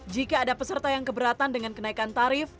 jika ada peserta yang keberatan dengan kenaikan tarif